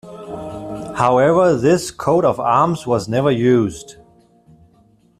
However, this coat of arms was never used.